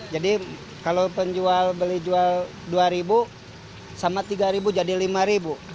jadi kalau penjual beli jual rp dua sama rp tiga jadi rp lima